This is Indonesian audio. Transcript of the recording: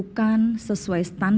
apa yang mereka dan mereka orang